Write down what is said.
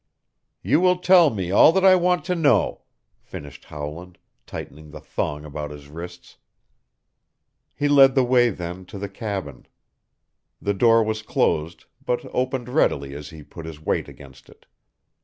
"You will tell me all that I want to know," finished Howland, tightening the thong about his wrists. He led the way then to the cabin. The door was closed, but opened readily as he put his weight against it.